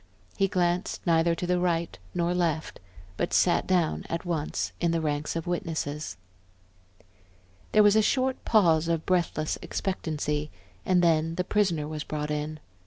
He glanced neither to the right nor left, but sat down at once in the ranks of witnesses. There was a short pause of breathless expectancy, and then the prisoner was brought in.